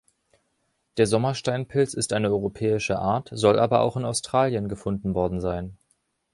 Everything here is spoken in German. Der Sommer-Steinpilz ist eine europäische Art, soll aber auch in Australien gefunden worden sein.